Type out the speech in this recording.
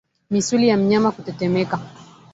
Misuli ya mnyama kutetemeka